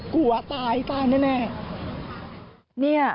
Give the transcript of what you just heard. กลัวตายตายแน่